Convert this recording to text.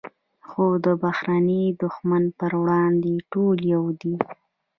خو د بهرني دښمن پر وړاندې ټول یو دي.